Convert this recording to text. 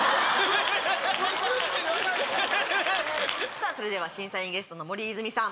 さぁそれでは審査員ゲストの森泉さん。